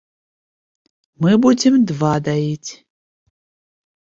Мы будзем два даіць!